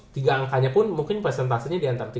tiga angkanya pun mungkin persentasenya diantara tiga puluh